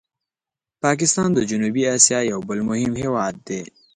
پاکستان د جنوبي آسیا یو بل مهم هېواد دی.